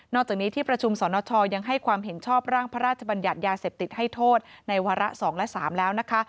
จากนี้ที่ประชุมสนชยังให้ความเห็นชอบร่างพระราชบัญญัติยาเสพติดให้โทษในวาระ๒และ๓แล้วนะคะ